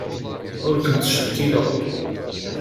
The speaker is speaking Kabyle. Ur kent-ttcekkileɣ.